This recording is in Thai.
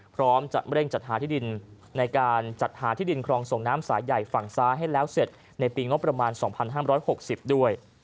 พร้อมจะเร่งจัดหาที่ดินในการจัดหาที่ดินคลองส่งน้ำสายใหญ่ฝั่งซ้ายให้แล้วเสร็จในปีงบประมาณ๒๕๖๐ด้วย